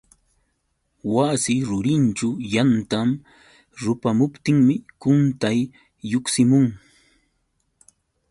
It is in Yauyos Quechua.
Wasi rurinćhu yanta rupamuptinmi quntay lluqsimun.